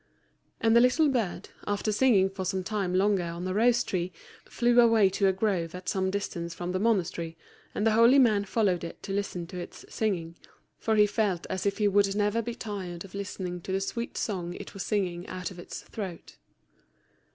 And the little bird, after singing for some time longer on the rose tree, flew away to a grove at some distance from the monastery, and the holy man followed it to listen to its singing, for he felt as if he would never be tired of listening to the sweet song it was singing out of its throat.